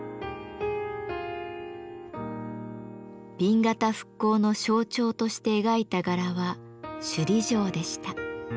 紅型復興の象徴として描いた柄は首里城でした。